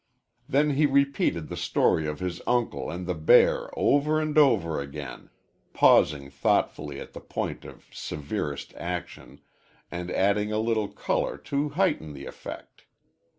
Then he repeated the story of his uncle and the bear over and over again, pausing thoughtfully at the point of severest action and adding a little color to heighten the effect.